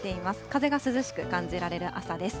風が涼しく感じられる朝です。